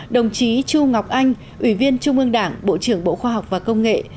đồng chí chu ngọc anh ủy viên trung ương đảng bộ trưởng bộ khoa học và công nghệ